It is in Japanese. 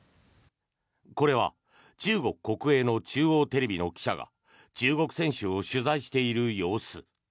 これは中国国営の中央テレビの記者が中国選手を取材している様子。